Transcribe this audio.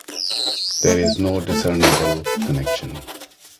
There is no discernible connection.